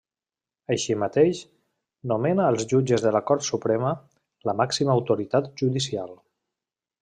Així mateix, nomena als jutges de la Cort Suprema, la màxima autoritat judicial.